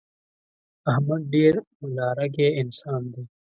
احمد ډېر ملا رګی انسان دی.